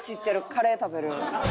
カレー食べる。